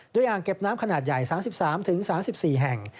โดยอย่างเก็บน้ำขนาดใหญ่๓๓ถึง๓๔แห่ง